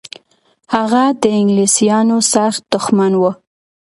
هغه د انګلیسانو سخت دښمن و.